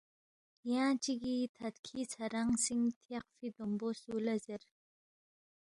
ینگ چیگی تھدکھی ژھرنگسینگ تھیاقفی دومبونگ سولا زیر